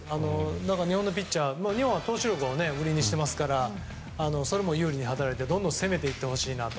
だから日本のピッチャーは日本は投手力を売りにしていますからそれも有利に働いて、どんどん攻めていってほしいなと。